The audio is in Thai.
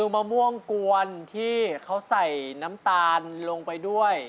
มะม่วงกวนที่เขาใส่น้ำตาลลงไปด้วย